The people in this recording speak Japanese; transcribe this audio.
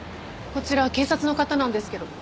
こちら警察の方なんですけど。